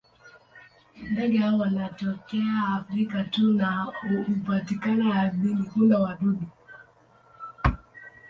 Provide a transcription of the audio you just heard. Ndege hawa wanatokea Afrika tu na hupatikana ardhini; hula wadudu.